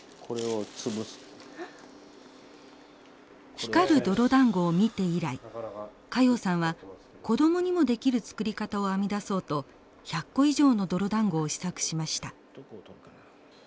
光る泥だんごを見て以来加用さんは子供にもできる作り方を編み出そうと１００個以上の泥だんごを試作しました。